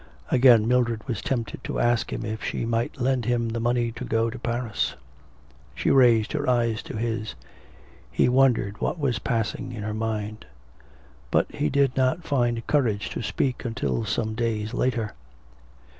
Again Mildred was tempted to ask him if she might lend him the money to go to Paris. She raised her eyes to his (he wondered what was passing in her mind), but he did not find courage to speak until some days later.